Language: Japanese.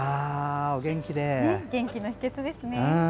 元気の秘けつですね。